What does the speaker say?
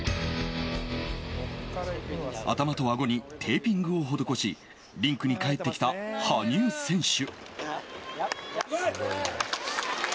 頭とあごにテーピングを施しリンクに帰ってきた羽生選手。